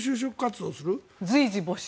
随時募集。